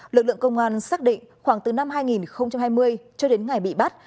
lực lượng công an xác định khoảng từ năm hai nghìn hai mươi cho đến ngày bị bắt